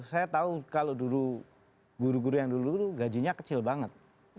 saya tahu kalau dulu guru guru yang dulu dulu gajinya kecil banget